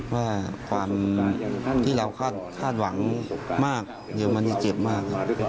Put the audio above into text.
ว่าความที่เราคาดหวังมากเดี๋ยวมันจะเจ็บมาก